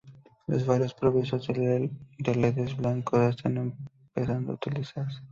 Los faros provistos de ledes blancos están empezando a utilizarse.